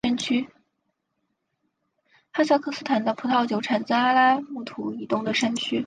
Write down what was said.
哈萨克斯坦的葡萄酒产自阿拉木图以东的山区。